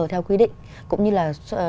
theo quy định cũng như là